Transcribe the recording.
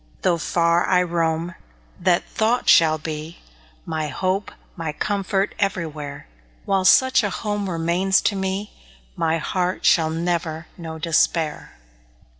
Though far I roam, that thought shall be My hope, my comfort everywhere; While such a home remains to me, My heart shall never know despair.